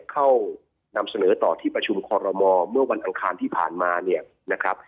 เข้านำเสนอต่อที่ประชุมคอรมอเมื่อวันอังคารที่ผ่านมาเนี่ยนะครับ